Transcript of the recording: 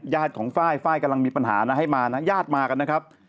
ของไฟล์ไฟล์กำลังมีปัญหานะให้มานะญาติมากันนะครับ